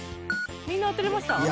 みんな当てれました？